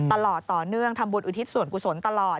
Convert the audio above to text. ตลอดต่อเนื่องทำบุญอุทิศส่วนกุศลตลอด